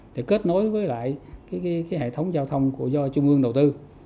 để kết nối với hệ thống giao thông do trung ương đầu tư